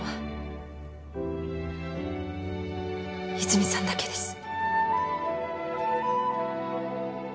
泉さんだけです。